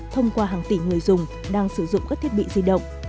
thông qua hàng tỷ người dùng đang sử dụng các thiết bị di động